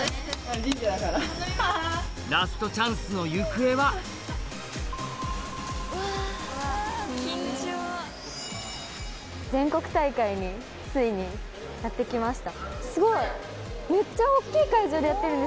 ラストチャンスの行方は⁉全国大会についにやって来ました。